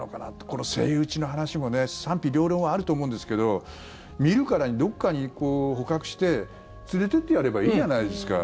このセイウチの話も賛否両論あると思うんですけど見るからに、どこかに捕獲して連れていってやればいいじゃないですか。